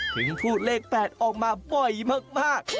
พูดเลข๘ออกมาบ่อยมาก